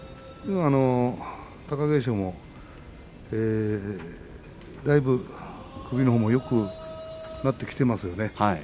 貴景勝もだいぶ首のほうもよくなってきていますよね。